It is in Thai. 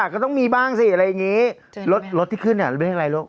ก็ต้องมีบ้างสิอะไรอย่างนี้รถที่ขึ้นเลขอะไรลูก